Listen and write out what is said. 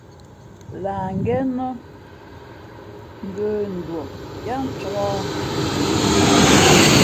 Lah ngén nά ngə̂nduα yáá ncāk yokyok.